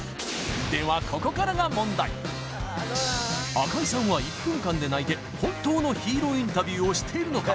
赤井さんは１分間で泣いて本当のヒーローインタビューをしているのか？